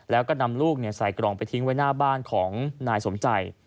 แล้วก็นำลูกใส่กล่องไปทิ้งไว้หน้าบ้านของนายสมใจ